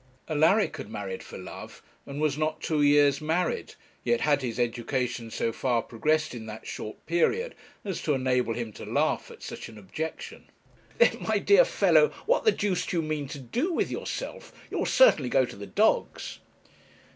Alaric had married for love, and was not two years married, yet had his education so far progressed in that short period as to enable him to laugh at such an objection. 'Then, my dear fellow, what the deuce do you mean to do with yourself? You'll certainly go to the dogs.